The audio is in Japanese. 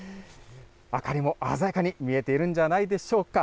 明かりも鮮やかに見えているんじゃないでしょうか。